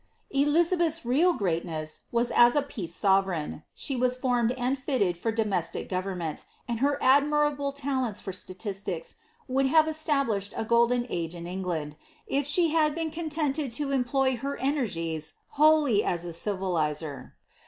Elizabbtu^s real greatness was as a peace sovereign; she was formed and fitted for domestic goTemment, and her admirable talents for sta m ^ BLIZASBTII. \ tisiics would have exUblislieil a gnlden age in Gng'land, if nhe bad bra coniented lo employ her energies whnliy as a civilizer.